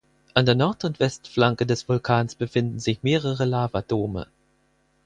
An der Nord- und West-Flanke des Vulkans befinden sich mehrere Lavadome.